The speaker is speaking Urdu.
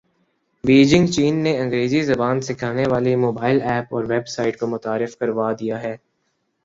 بیجنگ چین نے انگریزی زبان سکھانے والی موبائل ایپ اور ویب سایٹ کو متعارف کروا دیا ہے